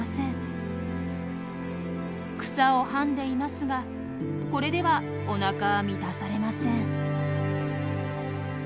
草をはんでいますがこれではおなかは満たされません。